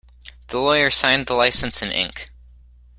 The lawyer signed the licence in ink.